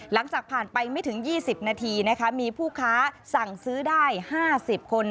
หลังจากผ่านไปไม่ถึง๒๐นาทีนะคะมีผู้ค้าสั่งซื้อได้๕๐คน